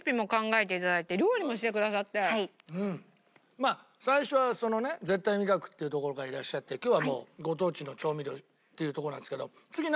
まあ最初はそのね絶対味覚っていうところからいらっしゃって今日はもうご当地の調味料っていうとこなんですけど次なんか考え